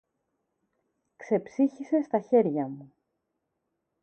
Ξεψύχησε στα χέρια μου.